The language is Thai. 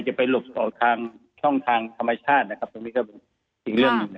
ก็จะไปหลักสอบของช่องทางทะมัยชาติ